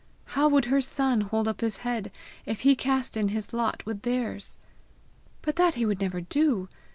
How would her son hold up his head, if he cast in his lot with theirs! But that he would never do!